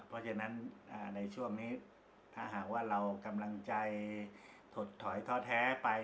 เพราะฉะนั้นในช่วงนี้ถ้าหากว่าเรากำลังใจถดถอยท้อแท้ไป